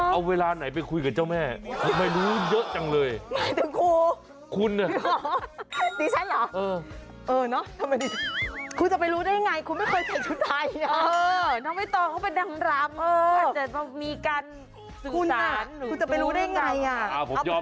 เอาเวลาไหนไปคุยกับเจ้าแม่เขาไม่รู้เยอะจังเลยอ่ะ